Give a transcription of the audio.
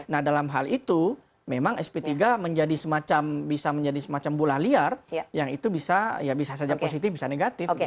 nah dalam hal itu memang sp tiga bisa menjadi semacam bola liar yang itu bisa saja positif bisa negatif